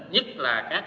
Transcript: nhất là các ngành